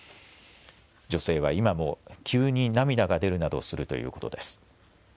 女性は今も急に涙が出るなどするということです。